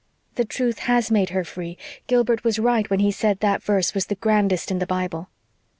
The truth has made her free. Gilbert was right when he said that verse was the grandest in the Bible."